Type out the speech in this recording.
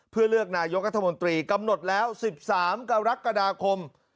เพื่อเลือกนายกรัฐมนตรีกำหนดแล้ว๑๓กรกฎาคม